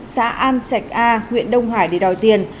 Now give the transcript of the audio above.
xã an trạch a huyện đông hải để đòi tiền